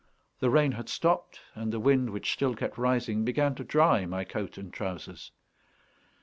The rain had stopped, and the wind, which still kept rising, began to dry my coat and trousers.